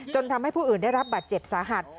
ทำให้ผู้อื่นได้รับบาดเจ็บสาหัส